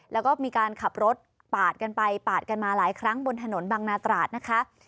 แล้วก็มีการขับรถปาดกันไปปาดกันมาหลายครั้งบนถนนบางนาตราดนะคะ